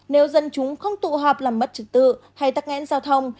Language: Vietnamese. nếu dân chúng không tụ hợp làm mất trực tự hay tắc ngãn giao thông